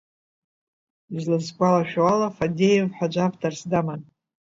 Изласгәалашәо ала Фадеев ҳәа аӡәы авторс даман.